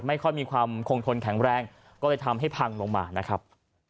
ไม่ค่อยมีความคงทนแข็งแรงก็เลยทำให้พังลงมานะครับ